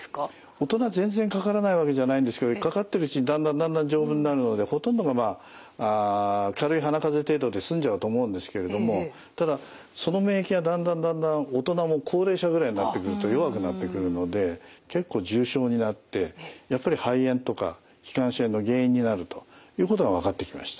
大人は全然かからないわけじゃないんですけどかかってるうちにだんだんだんだん丈夫になるのでほとんどがまあ軽い鼻風邪程度で済んじゃうと思うんですけれどもただその免疫がだんだんだんだん大人も高齢者ぐらいになってくると弱くなってくるので結構重症になってやっぱり肺炎とか気管支炎の原因になるということが分かってきました。